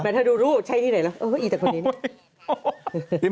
แต่ถ้าดูรูปใช่ที่ไหนล่ะเอ้ออีจักรคนนี้